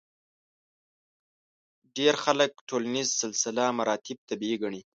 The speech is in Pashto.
ډېری خلک ټولنیز سلسله مراتب طبیعي ګڼي.